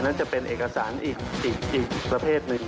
อันนั้นจะเป็นเอกสารอีกสิ่งอีกประเภทหนึ่ง